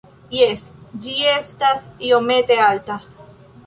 Jes ĝi estas iomete alta